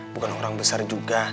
bukan orang besar juga